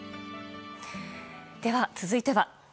では、続いては。